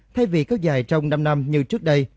thay vì kéo dài trong năm năm như trước đây